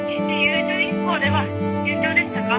「銀行では順調でしたか？」。